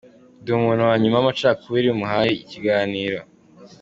Ndi umuntu wa nyuma w'amacakubiri muhaye ikiganiro.